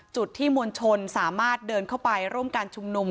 จุดที่มวลชนสามารถเดินเข้าไปร่วมการชุมนุม